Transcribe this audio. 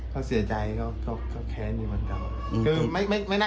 เขาเสียใจก็แค่นี้มันกลัว